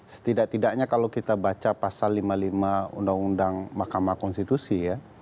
setidak tidaknya kalau kita baca pasal lima puluh lima undang undang mahkamah konstitusi ya